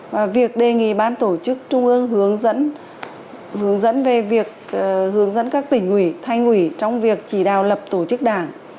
và việc đề nghị ban tổ chức trung ương hướng dẫn hướng dẫn về việc hướng dẫn các tỉnh ủy thanh ủy trong việc chỉ đào lập tổ chức đảng